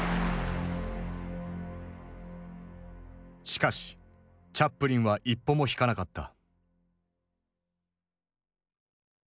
しかしチャップリンは一歩も引かなかった。